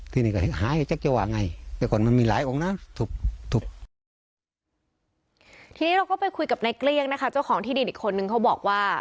ทีนี้เราก็ไปคุยกับในเกลี้ยงนะคะเจ้าของที่ดินอีกคนนึงเขาบอกว่า